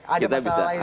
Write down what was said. ada masalah itu ya